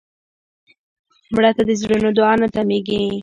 مړه ته د زړونو دعا نه تمېږي